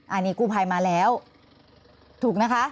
อันนี้กู้ภัยมาแล้วถูกนะคะ